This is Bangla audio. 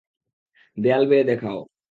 দেয়াল বেয়ে দেখাও।